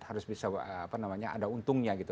harus bisa apa namanya ada untungnya gitu